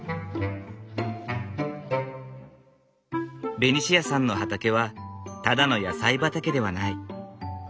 ベニシアさんの畑はただの野菜畑ではない。